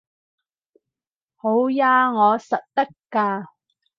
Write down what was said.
好吖，我實得㗎